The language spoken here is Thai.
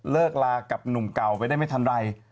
เลิกลากับหนุ่มเก่าไปได้ไม่ทันไร